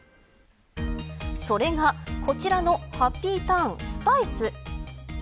それが、こちらのハッピーターンスパイス。